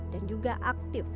dan juga aktif